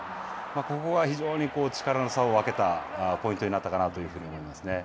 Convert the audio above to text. ここが非常に力の差を分けたポイントになったかなと思いますね。